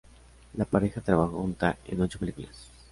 La pareja trabajó junta en ocho películas.